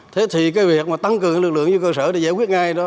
thế thì cái việc mà tăng cường lực lượng như cơ sở để giải quyết ngay đó